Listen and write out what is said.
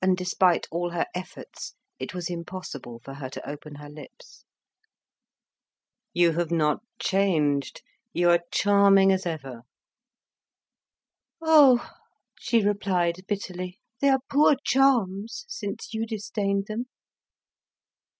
And, despite all her efforts, it was impossible for her to open her lips. "You have not changed; you are charming as ever!" "Oh," she replied bitterly, "they are poor charms since you disdained them."